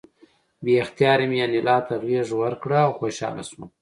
بې اختیاره مې انیلا ته غېږ ورکړه او خوشحاله شوم